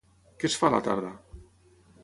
Què es fa a la tarda?